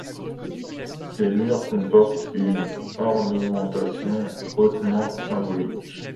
Ces murs comportent une ornementation hautement symbolique.